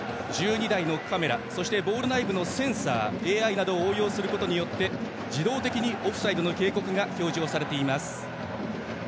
１２台のカメラボール内のセンサーＡＩなどを応用することによって自動的にオフサイドの警告が表示されます。